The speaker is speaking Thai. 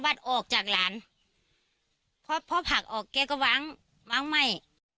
วัดออกจากหลานพอพอผักออกเก๊ก็วางวางไม่